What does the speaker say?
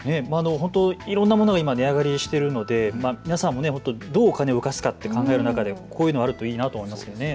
いろんなものが値上がりしているので皆さんもどうお金を浮かすか考える中でこういうのがあるといいなと思います。